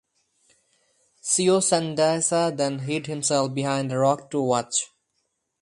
Seosandaesa then hid himself behind a rock to watch.